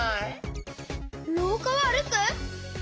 ろうかをあるく？